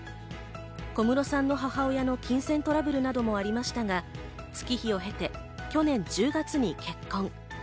小室さんの母親の金銭トラブルなどもありましたが、月日を経て去年１０月に結婚。